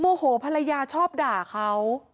โมโหกษ์พละยาชอบด่าเขา